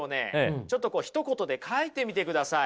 ちょっとひと言で書いてみてください。